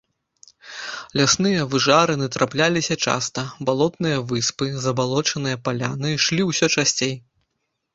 Лясныя выжарыны трапляліся часта, балотныя выспы, забалочаныя паляны ішлі ўсё часцей.